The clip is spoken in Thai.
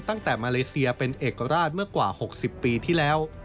ตั้งแต่มาเลเซียเป็นเอกราชเมื่อกว่า๖๐ปีที่แล้ว